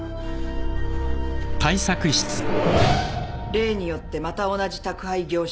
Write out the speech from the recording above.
例によってまた同じ宅配業者から。